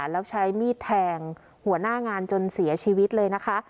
แล้วใช้มีดแทงหัวหน้างานจนเสียชีวิตเลยนะคะ